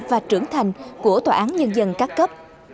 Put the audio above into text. và trưởng thành của tòa án nhân dân các cấp